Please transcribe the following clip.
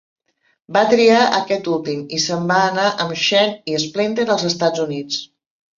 Va triar aquest últim, i se'n va anar amb Shen i Splinter als Estats Units.